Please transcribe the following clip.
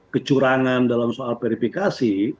kecurangan dalam soal verifikasi